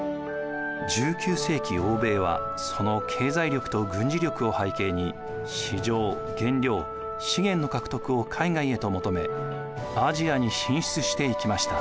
１９世紀欧米はその経済力と軍事力を背景に市場原料資源の獲得を海外へと求めアジアに進出していきました。